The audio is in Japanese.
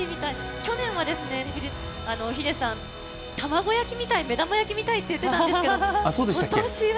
去年はヒデさん、卵焼きみたい、目玉焼きみたいって言ってたんですけど、今年は。